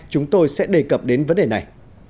chúng tôi sẽ đề cập đến vấn đề này